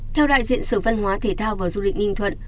theo đại diện sở văn hóa thể thao và du lịch ninh thuận